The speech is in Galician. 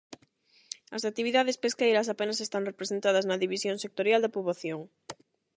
As actividades pesqueiras apenas están representadas na división sectorial da poboación.